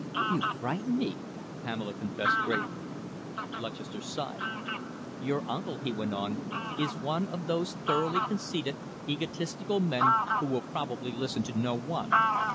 "You frighten me," Pamela confessed gravely. Lutchester sighed. "Your uncle," he went on, "is one of those thoroughly conceited, egotistical men who will probably listen to no one.